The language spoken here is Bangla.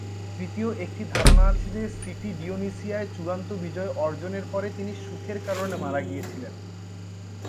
তৃতীয় একটি ধারণা আছে যে সিটি ডিওনিসিয়ায় চূড়ান্ত বিজয় অর্জনের পরে তিনি সুখের কারণে মারা গিয়েছিলেন।